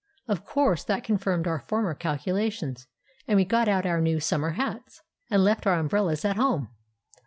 Of course that confirmed our former calculations, and we got out our new summer hats, and left our umbrellas at home.